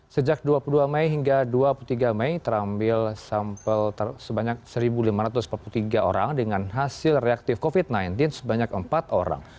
sejak dua puluh dua mei hingga dua puluh tiga mei terambil sampel sebanyak satu lima ratus empat puluh tiga orang dengan hasil reaktif covid sembilan belas sebanyak empat orang